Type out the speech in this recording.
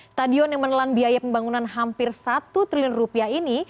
stadion yang menelan biaya pembangunan hampir satu triliun rupiah ini